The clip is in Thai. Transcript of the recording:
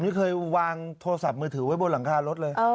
ไม่เคยวางโทรศัพท์มือถือไว้บนหลังคารถเลย